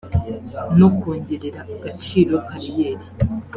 no kongerera agaciro kariyeri